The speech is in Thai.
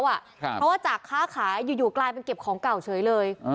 เพราะว่าจากค้าขายอยู่กลายเป็นเก็บของเก่าเฉยเลย